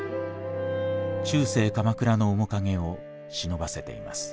中世鎌倉の面影をしのばせています。